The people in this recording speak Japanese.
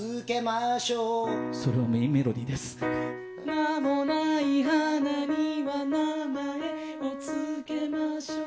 「名もない花には名前を付けましょう」